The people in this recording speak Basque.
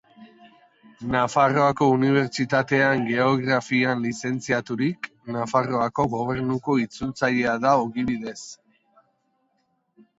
Nafarroako Unibertsitatean Geografian lizentziaturik, Nafarroako Gobernuko itzultzailea da ogibidez.